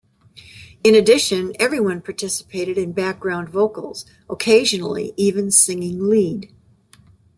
In addition, everyone participated in background vocals, occasionally even singing lead.